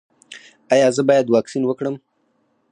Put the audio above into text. ایا زه باید واکسین وکړم؟